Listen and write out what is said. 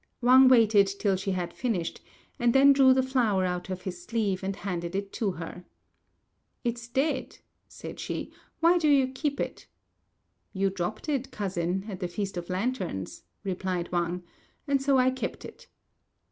Wang waited till she had finished, and then drew the flower out of his sleeve and handed it to her. "It's dead," said she; "why do you keep it?" "You dropped it, cousin, at the Feast of Lanterns," replied Wang, "and so I kept it."